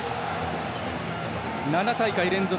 ７大会連続